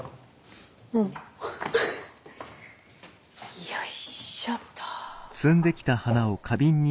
よいしょっと。